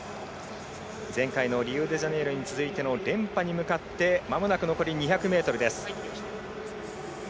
前回のリオデジャネイロに続いての連覇に向かってまもなく残り２００ｍです。